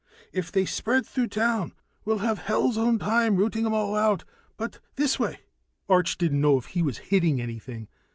"If they spread through town, we'll have hell's own time routing 'em all out but this way " Arch didn't know if he was hitting anything.